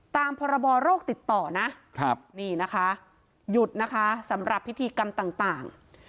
พรบโรคติดต่อนะนี่นะคะหยุดนะคะสำหรับพิธีกรรมต่าง